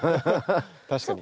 確かに。